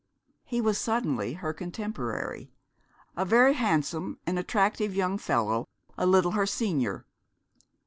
He was suddenly her contemporary, a very handsome and attractive young fellow, a little her senior.